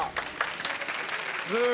すごい！